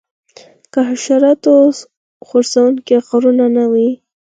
که د حشراتو ځورونکي غږونه نه وی